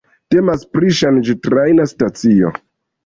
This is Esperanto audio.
Temas pri ŝanĝtrajna stacio.